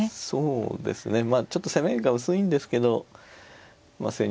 そうですねまあちょっと攻めが薄いんですけどまあ